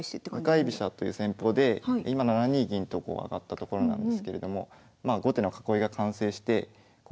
向かい飛車という戦法で今７二銀と上がったところなんですけれども後手の囲いが完成してこっからまあ。